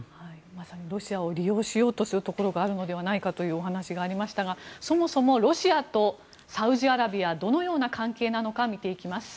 まさにロシアを利用しようというところがあるのではないかというお話がありましたが、そもそもロシアとサウジアラビアはどのような関係なのか見ていきます。